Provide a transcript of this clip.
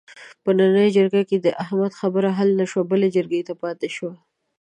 په نننۍ جرګه کې د احمد خبره حل نشوه، بلې جرګې ته پاتې شوله.